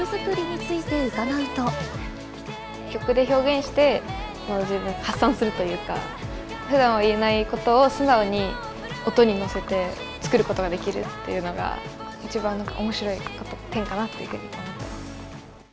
曲で表現して、素の自分を発散するというか、ふだんは言えないことを素直に音に乗せて作ることができるっていうのが、一番おもしろい点かなというふうに思っています。